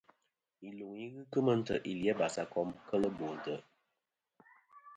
Iluŋ i ghɨ kemɨ ntè' ili a basakom kel bo ntè'.